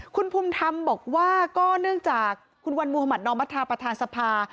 คุณภูมิธรรมบอกว่าก็เนื่องจากคุณวันมุธมัธนอมธาประธานสภา